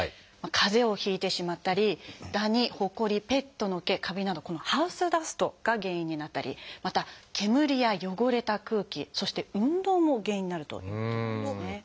かぜをひいてしまったりダニほこりペットの毛カビなどこのハウスダストが原因になったりまた煙や汚れた空気そして運動も原因になるということなんですね。